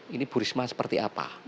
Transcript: ini bu risma seperti apa